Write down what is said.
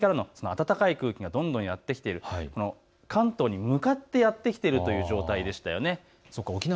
南からの暖かい空気がどんどんやって来て、関東に向かってやって来ているという状態です。